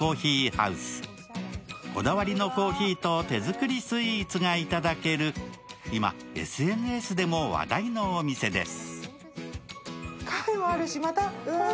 こだわりのコーヒーと手作りスイーツがいただける今、ＳＮＳでも話題のお店です。